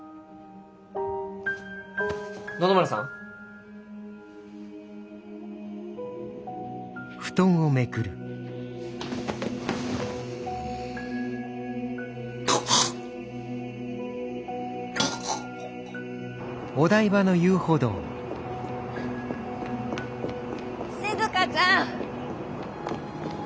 野々村さん？静ちゃん！